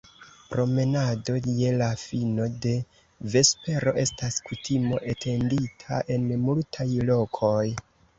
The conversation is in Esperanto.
Promenado je la fino de vespero estas kutimo etendita en multaj lokoj.